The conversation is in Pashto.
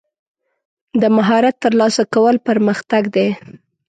د مهارت ترلاسه کول پرمختګ دی.